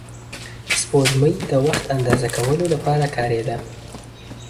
سپوږمۍ د وخت اندازه کولو لپاره کارېده